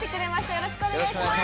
よろしくお願いします